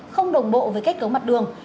không đồng bộ với cách cấu mặt đường